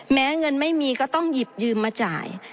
แม้เงินไม่มีก็ต้องหยิบยืมมาจ่าย